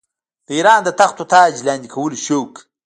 د اېران د تخت و تاج لاندي کولو شوق.